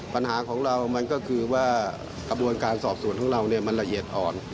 ปัญหาของเรามันก็คือว่ากระบวนการสอบสวนของเรามันละเอียดอ่อน